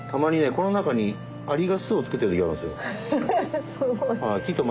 この中にアリが巣を作ってる時があるんですよ。